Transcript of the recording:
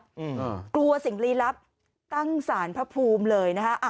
อืมกลัวสิ่งลีลับตั้งศาลพระภูมิเลยนะคะ